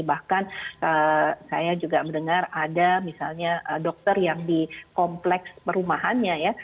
bahkan saya juga mendengar ada misalnya dokter yang di kompleks perumahannya ya